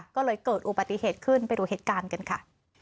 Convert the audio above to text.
ก็เลยเกิดอุบัติเหตุขึ้นไปดูเหตุการณ์กันค่ะ